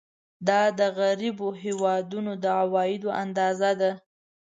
دا د غریبو هېوادونو د عوایدو اندازه ده.